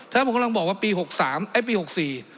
ถ้าผมกำลังบอกว่าปีหกสามไอ้ปีหกสี่